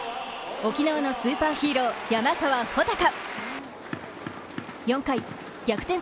沖縄のスーパーヒーロー、山川穂高。